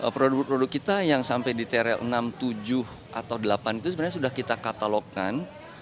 produk produk kita yang sampai di teriak enam tujuh atau delapan itu sebenarnya sudah kita katalogkan